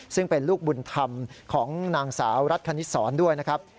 ซึ่งเป็นลูกบุญธรรมของนางสาวรัฐคณิตศรด้วยนะครับ